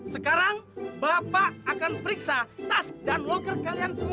sekarang bapak akan periksa tas dan loker kalian semua